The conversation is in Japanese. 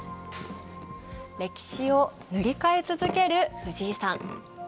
歴史を塗り替え続ける藤井さん。